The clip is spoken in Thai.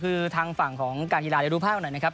คือทางฝั่งของการกีฬาเดี๋ยวดูภาพหน่อยนะครับ